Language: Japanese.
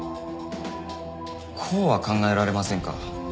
こうは考えられませんか？